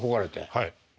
はい。